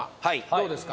どうですか？